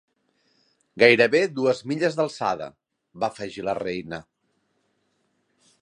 "Gairebé dues milles d'alçada", va afegir la reina.